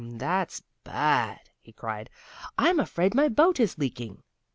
That's bad," he cried. "I'm afraid my boat is leaking."